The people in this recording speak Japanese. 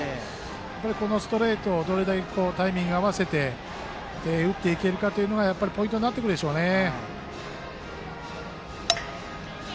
やっぱりストレートをどれだけタイミングを合わせて打っていけるかというのがポイントになるでしょうね。